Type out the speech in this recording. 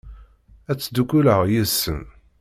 Ad ttdukkuleɣ yid-sen.